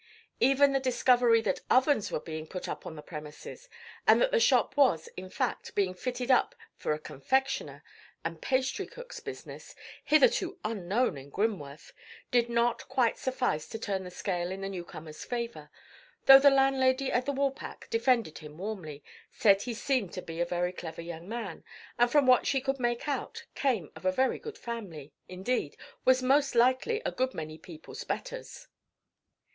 Even the discovery that ovens were being put up on the premises, and that the shop was, in fact, being fitted up for a confectioner and pastry cook's business, hitherto unknown in Grimworth, did not quite suffice to turn the scale in the newcomer's favour, though the landlady at the Woolpack defended him warmly, said he seemed to be a very clever young man, and from what she could make out, came of a very good family; indeed, was most likely a good many people's betters.